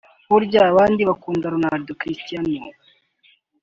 Burya abandi bakunda Ronaldo [Cristiano]